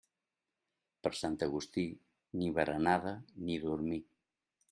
Per Sant Agustí, ni berenada ni dormir.